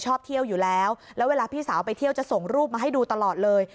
ชอบเที่ยวอยู่แล้วแล้วเวลาพี่สาวไปเที่ยวจะส่งรูปมาให้ดูตลอดเลย